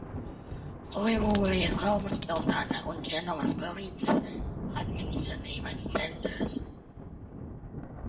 Ligūrijas galvaspilsēta un Dženovas provinces administratīvais centrs.